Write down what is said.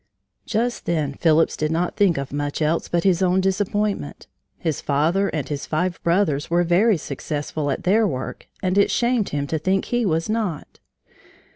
Just then Phillips did not think of much else but his own disappointment. His father and his five brothers were very successful at their work and it shamed him to think he was not.